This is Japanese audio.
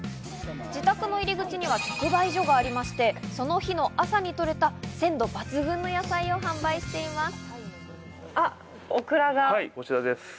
自宅の入口には直売所がありまして、その日の朝にとれた鮮度抜群の野菜を販売しています。